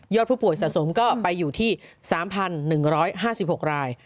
ผู้ป่วยสะสมก็ไปอยู่ที่๓๑๕๖ราย